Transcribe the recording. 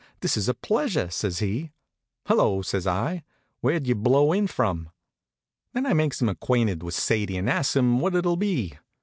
This is a pleasure," says he. "Hello!" says I. "Where'd you blow in from?" Then I makes him acquainted with Sadie, and asks him what it'll be.